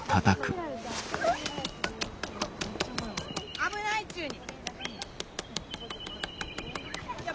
・危ないっちゅうに！